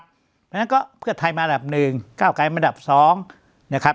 เพราะฉะนั้นก็เพื่อไทยมาอันดับหนึ่งก้าวไกลมาอันดับ๒นะครับ